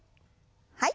はい。